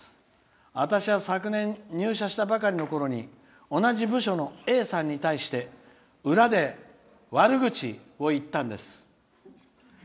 私は昨年入社したばかりのころに同じ部署のＡさんに対して裏で悪口を言ったんです。